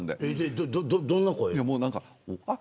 どんな声。